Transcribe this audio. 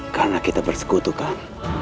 karena kita bersekutu kan